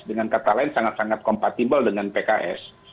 dengan kata lain sangat sangat kompatibel dengan pks